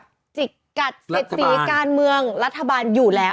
เหมือนกับจิกกัดเศรษฐีการเมืองรัฐบาลอยู่แล้ว